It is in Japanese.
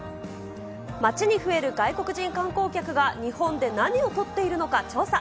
街に増える外国人観光客が日本で何を撮っているのか調査。